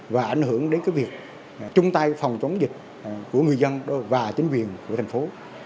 và ảnh hưởng đến việc chung tay phòng chống dịch của người dân và chính quyền của thành phố